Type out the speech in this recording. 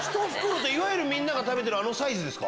いわゆるみんなが食べてるあのサイズですか？